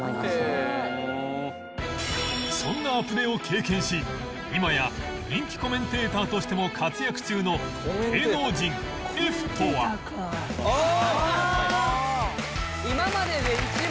そんなアプデを経験し今や人気コメンテーターとしても活躍中の芸能人 Ｆ とは？ああ！